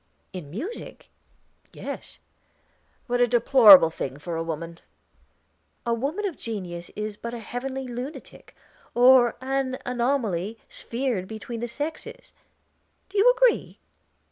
"In music yes." "What a deplorable thing for a woman!" "A woman of genius is but a heavenly lunatic, or an anomaly sphered between the sexes; do you agree?"